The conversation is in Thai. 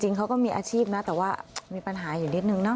เขาก็มีอาชีพนะแต่ว่ามีปัญหาอยู่นิดนึงนะ